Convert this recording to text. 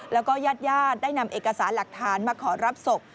แล้วก็ญาติญาติได้นำเอกสารหลักฐานมาขอรับศพ